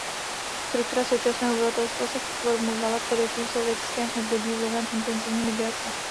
Struktura současného obyvatelstva se formovala především v sovětském období vlivem intenzivní migrace.